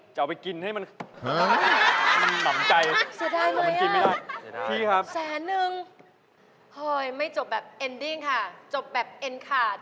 จะเอาไปกินให้มัน